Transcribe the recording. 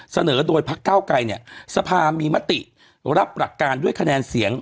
เสนอโดยพักเก้าไกรเนี่ยสภามีมติรับหลักการด้วยคะแนนเสียง